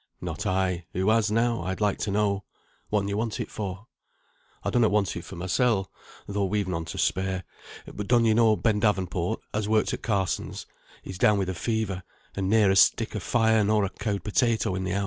"Not I; who has now, I'd like to know. Whatten you want it for?" "I donnot want it for mysel, tho' we've none to spare. But don ye know Ben Davenport as worked at Carsons'? He's down wi' the fever, and ne'er a stick o' fire, nor a cowd potato in the house."